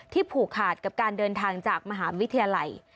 ผูกขาดกับการเดินทางจากมหาวิทยาลัย